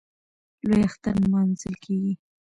لوی اختر نماځل کېږي.